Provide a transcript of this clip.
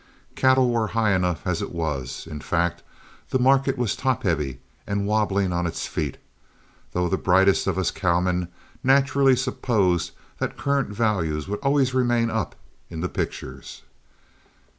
Cattle were high enough as it was; in fact the market was top heavy and wobbling on its feet, though the brightest of us cowmen naturally supposed that current values would always remain up in the pictures.